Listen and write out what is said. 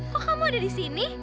kok kamu ada disini